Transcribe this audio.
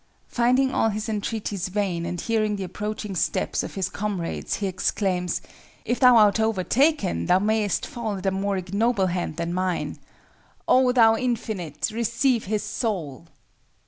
Finding all his entreaties vain and hearing the approaching steps of his comrades, he exclaims: "If thou art overtaken, thou mayest fall at a more ignoble hand than mine. O, thou Infinite! receive his soul!"